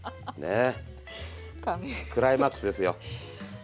クライマックスですよ。